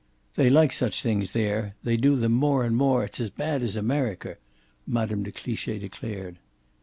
"They like such things there; they do them more and more. It's as bad as America!" Mme. de Cliche declared.